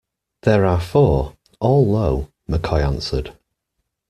There are four, all low, McCoy answered.